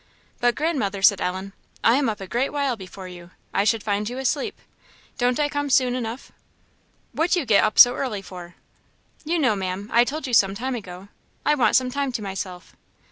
"But Grandmother," said Ellen, "I am up a great while before you; I should find you asleep; don't I come soon enough?" "What do you get up so early for?" "You know, Ma'am, I told you some time ago. I want some time to myself."